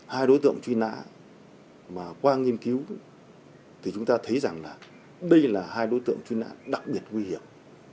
hai đối tượng chuyên án mà qua nghiên cứu thì chúng ta thấy rằng là đây là hai đối tượng chuyên án đặc biệt nguy hiểm